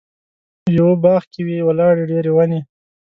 یوه باغ کې وې ولاړې ډېرې ونې.